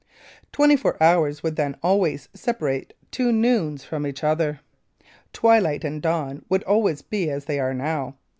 Twenty four hours would then always separate two noons from each other. Twilight and dawn would always be as they are now.